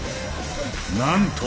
なんと！